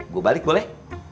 gue balik boleh